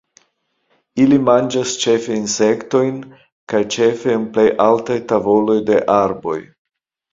Ili manĝas ĉefe insektojn kaj ĉefe en plej altaj tavoloj de arboj.